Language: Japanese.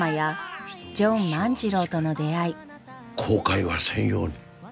後悔はせんように。